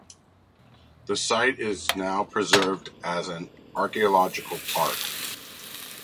The site is now preserved as an archaeological park.